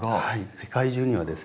世界中にはですね